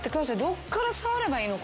どっから触ればいいの？